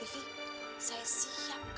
saya siap kapan aja